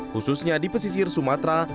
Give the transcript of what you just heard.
khususnya di pesisir sumatera